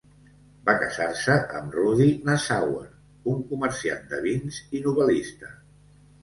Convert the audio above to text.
Va casar-se amb Rudi Nassauer, un comerciant de vins i novel·lista.